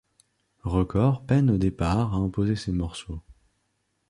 Record peine au départ à imposer ses morceaux.